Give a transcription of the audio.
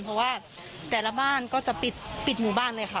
เพราะว่าแต่ละบ้านก็จะปิดหมู่บ้านเลยค่ะ